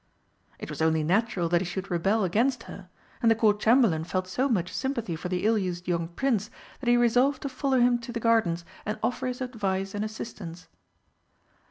It was only natural that he should rebel against her, and the Court Chamberlain felt so much sympathy for the ill used young prince that he resolved to follow him to the gardens and offer his advice and assistance.